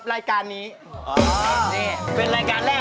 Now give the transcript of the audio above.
เยอะขนาดนี้ไม่น้อยนะเยอะน้า